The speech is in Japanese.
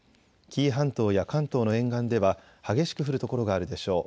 紀伊半島や関東の沿岸では激しく降る所があるでしょう。